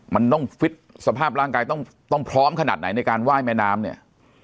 มันต้องฟิตสภาพร่างกายต้องพร้อมขนาดไหนในการไหว้แม่น้ำเนี่ย